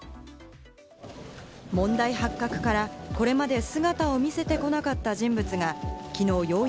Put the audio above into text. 問題発覚からこれまで姿を見せてこなかった人物がきのう